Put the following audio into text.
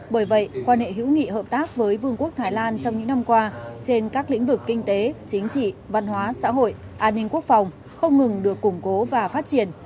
bởi vậy quan hệ hữu nghị hợp tác với vương quốc thái lan trong những năm qua trên các lĩnh vực kinh tế chính trị văn hóa xã hội an ninh quốc phòng không ngừng được củng cố và phát triển